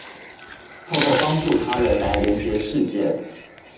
透過幫助他人來連結世界